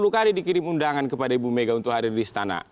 sepuluh kali dikirim undangan kepada ibu mega untuk hadir di istana